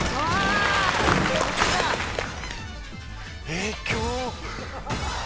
「影響」